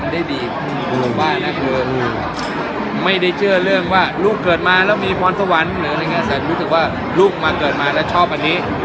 เพราะเมื่อเปลี่ยงผู้ใหญ่เนื้อมันจะเยอะเลยเลยสอนวันละท่อน